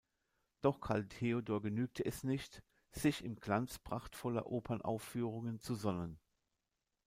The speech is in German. Doch Karl Theodor genügte es nicht, sich im Glanz prachtvoller Opernaufführungen zu sonnen.